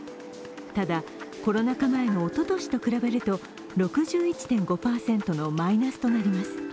ただ、コロナ禍前のおととしと比べると６１．５％のマイナスとなります。